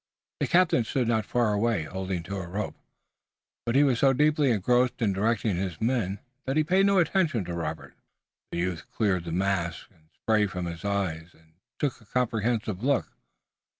The captain stood not far away, holding to a rope, but he was so deeply engrossed in directing his men that he paid no attention to Robert. The youth cleared the mist and spray from his eyes and took a comprehensive look.